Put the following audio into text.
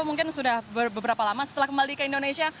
mungkin sudah beberapa lama setelah kembali ke indonesia